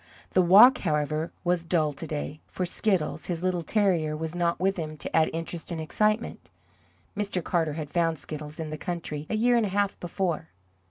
The walk, however, was dull to day, for Skiddles, his little terrier, was not with him to add interest and excitement. Mr. Carter had found Skiddles in the country a year and a half before.